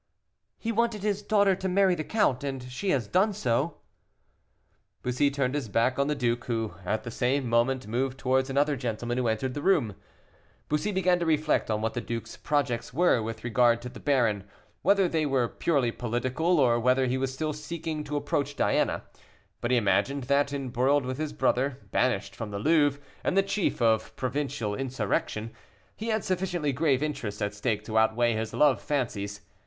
"He wanted his daughter to marry the count, and she has done so." Bussy turned his back on the duke, who, at the same moment, moved towards another gentleman who entered the room. Bussy began to reflect on what the duke's projects were with regard to the baron whether they were purely political, or whether he was still seeking to approach Diana; but he imagined that, embroiled with his brother, banished from the Louvre, and the chief of provincial insurrection, he had sufficiently grave interests at stake to outweigh his love fancies.